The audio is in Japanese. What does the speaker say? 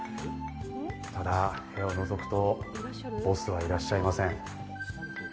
ただ部屋をのぞくとボスはいらっしゃいません。